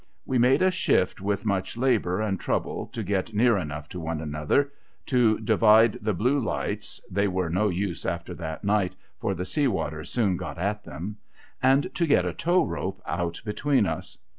We made a shift, with much labour and trouble, to get near enough to one another to divide the blue lights (they were no use after that night, for the sea water soon got at them), and to get a tow rope out between us.